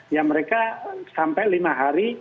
ya mereka sampai lima hari